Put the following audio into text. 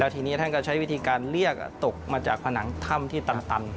ทีนี้ท่านก็ใช้วิธีการเรียกตกมาจากผนังถ้ำที่ตัน